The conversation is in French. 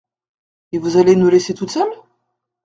Et vous allez nous laisser toutes seules ?…